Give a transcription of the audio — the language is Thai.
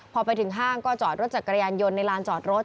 พอไปถึงห้างก็จอดรถจักรยานยนต์ในลานจอดรถ